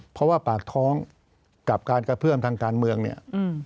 เพราะว่าปากท้องกับการกระเพื่อมทางการเมืองเนี่ย